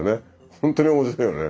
本当に面白いよね。